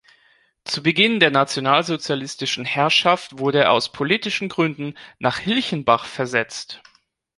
Zu Beginn der nationalsozialistischen Herrschaft wurde er aus politischen Gründen nach Hilchenbach versetzt.